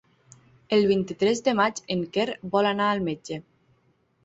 El vint-i-tres de maig en Quer vol anar al metge.